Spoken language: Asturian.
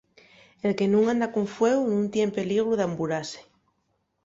El que nun anda con fueu nun tien peligru d'amburase.